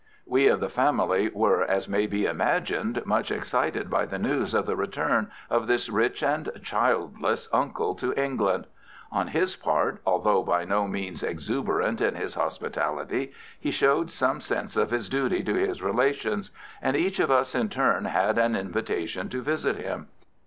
We of the family were, as may be imagined, much excited by the news of the return of this rich and childless uncle to England. On his part, although by no means exuberant in his hospitality, he showed some sense of his duty to his relations, and each of us in turn had an invitation to visit him.